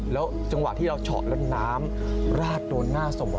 แล้วจังหวะที่เราเฉาะแล้วน้ำราดโดนหน้าศพ